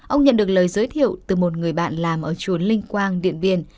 ông nhận được lời giới thiệu từ một người bạn làm ở chùa linh quang điện biên